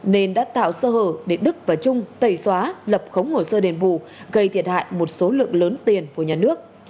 nên đã tạo sơ hở để đức và trung tẩy xóa lập khống hồ sơ đền bù gây thiệt hại một số lượng lớn tiền của nhà nước